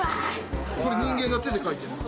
これ、人間が手で描いてるの。